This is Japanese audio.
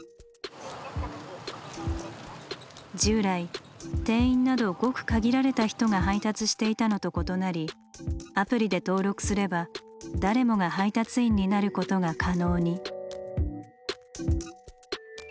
従来店員などごく限られた人が配達していたのと異なりアプリで登録すれば誰もが配達員になることが可能に。